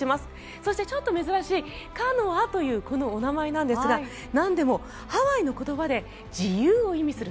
そしてちょっと珍しいカノアというお名前なんですがなんでもハワイの言葉で自由を意味する